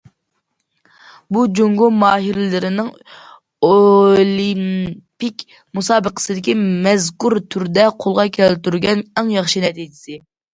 بۇ جۇڭگو ماھىرلىرىنىڭ ئولىمپىك مۇسابىقىسىدىكى مەزكۇر تۈردە قولغا كەلتۈرگەن ئەڭ ياخشى نەتىجىسى.